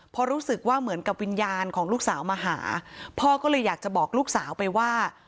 พอรู้สึกว่าเหมือนกับวิญญาณของลูกสาวมาหาพ่อก็เลยอยากจะบอกลูกสาวไปว่า